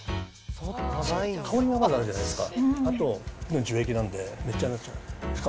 香りがまずあるじゃないですか。